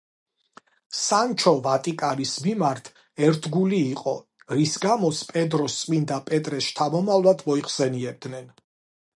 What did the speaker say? სანჩო ვატიკანის მიმართ ერთგული იყო, რის გამოც პედროს წმინდა პეტრეს შთამომავლად მოიხსენიებდნენ.